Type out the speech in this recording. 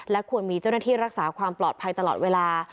ควรมีเจ้าหน้าที่รักษาความปลอดภัยตลอดเวลา